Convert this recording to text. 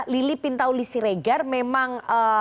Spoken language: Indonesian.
lili pintaulis siregar memang